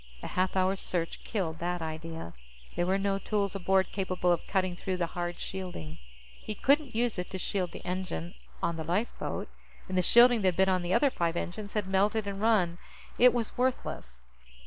A half hour's search killed that idea. There were no tools aboard capable of cutting through the hard shielding. He couldn't use it to shield the engine on the lifeboat. And the shielding that been on the other five engines had melted and run; it was worthless.